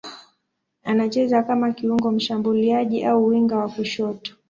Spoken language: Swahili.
Anacheza kama kiungo mshambuliaji au winga wa kushoto.